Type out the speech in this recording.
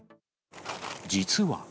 実は。